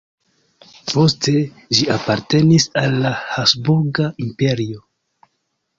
Poste ĝi apartenis al la Habsburga Imperio.